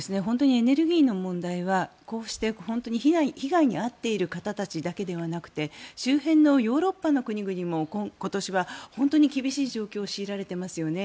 エネルギーの問題はこうして被害に遭っている方たちだけではなくて周辺のヨーロッパの国々も今年は本当に厳しい状況を強いられていますよね。